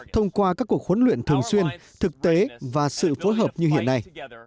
thông qua các cuộc huấn luyện thường xuyên thực tế và sự phối hợp như hiện nay